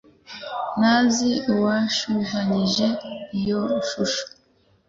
ntazi uwashushanyije iyo shusho.